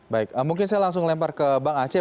baik mungkin saya langsung lempar ke bang aceh